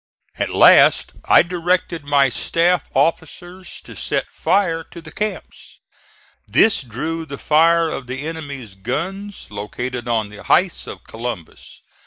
At last I directed my staff officers to set fire to the camps. This drew the fire of the enemy's guns located on the heights of Columbus.